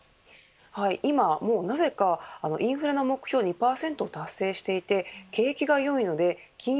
今はなぜかインフレの目標２％を達成していて景気がよいので金融